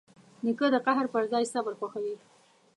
نیکه د قهر پر ځای صبر خوښوي.